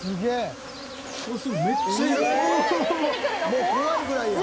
「もう怖いぐらいやん」